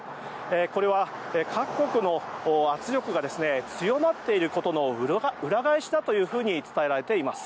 これは、各国の圧力が強まっていることの裏返しだと伝えられています。